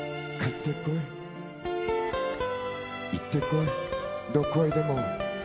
「行ってこいどこへでも」